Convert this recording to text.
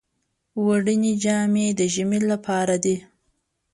وړینې جامې د ژمي لپاره دي